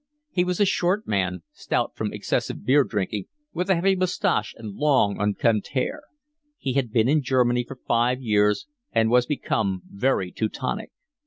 He was a short man, stout from excessive beer drinking, with a heavy moustache and long, unkempt hair. He had been in Germany for five years and was become very Teutonic.